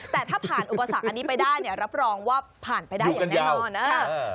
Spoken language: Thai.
แต่ถ้าผ่านอุปสรรคอันนี้ไปได้เนี่ยรับรองว่าผ่านไปได้อย่างแน่นอนนะครับ